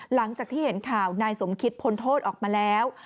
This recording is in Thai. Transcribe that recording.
หลังจากที่เห็นข่าวนายสมคิดพ้นโทษออกมาแล้ว